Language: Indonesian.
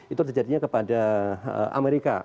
itu terjadinya kepada amerika